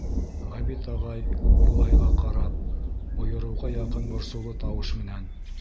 Ғәбит ағай, Юлайға ҡарап, бойороуға яҡын борсоулы тауыш менән: